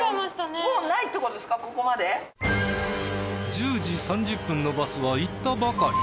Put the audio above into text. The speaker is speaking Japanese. １０時３０分のバスは行ったばかり。